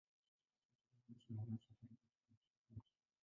Sura ya nchi inaonyesha tabia tofautitofauti.